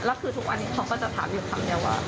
แล้วคือทุกวันนี้เขาก็จะถามอยู่คำเดียวว่า